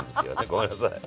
ごめんなさい。